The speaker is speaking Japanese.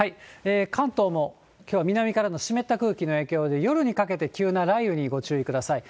関東も、きょうは南からの湿った空気の影響で、夜にかけて急な雷雨にご注意ください。